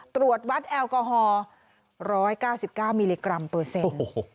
ตรวจวัดแอลกอฮอล์๑๙๙มิลลิกรัมเปอร์เซ็นต์